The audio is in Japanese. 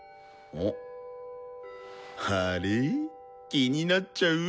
気になっちゃう？